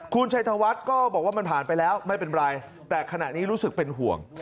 คุณชัยธวัฒน์ก็บอกว่ามันผ่านไปแล้วไม่เป็นไรแต่ขณะนี้รู้สึกเป็นห่วง